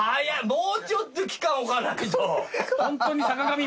もうちょっと期間置かないと。